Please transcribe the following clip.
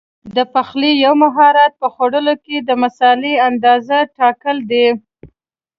د پخلي یو مهارت په خوړو کې د مسالې اندازه ټاکل دي.